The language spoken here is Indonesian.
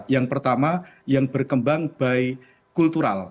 yang pertama yang berkembang by kultural